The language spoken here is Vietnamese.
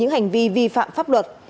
hành vi vi phạm pháp luật